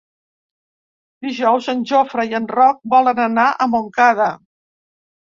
Dijous en Jofre i en Roc volen anar a Montcada.